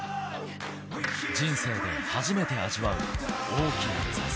人生で初めて味わう大きな挫折。